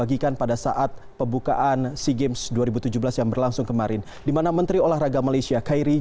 assalamu'alaikum warahmatullahi wabarakatuh